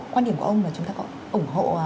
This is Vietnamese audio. quan điểm của ông là chúng ta có ủng hộ